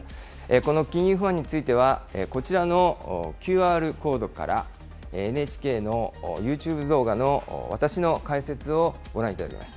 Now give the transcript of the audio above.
この金融不安についてはこちらのＱＲコードからＮＨＫのユーチューブ動画の私の解説をご覧いただけます。